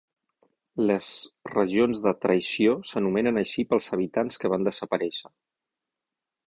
Les regions de Traïció s'anomenen així pels habitants que van desaparèixer.